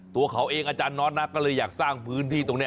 ตัวเขาเองอาจารย์น็อตนะก็เลยอยากสร้างพื้นที่ตรงนี้